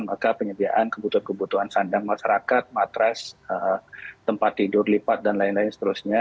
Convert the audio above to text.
maka penyediaan kebutuhan kebutuhan sandang masyarakat matras tempat tidur lipat dan lain lain seterusnya